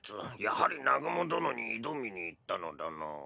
やはり南雲殿に挑みに行ったのだな。